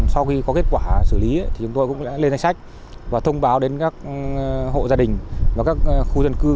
sau khi có kết quả xử lý thì chúng tôi cũng đã lên sách và thông báo đến các hộ gia đình và các khu dân cư